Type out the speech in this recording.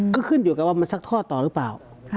ก็ขึ้นอยู่กับว่ามันซักทอดต่อหรือเปล่า